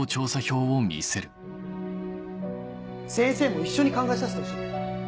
先生も一緒に考えさせてほしい。